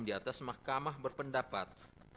di atas mahkamah berpendapat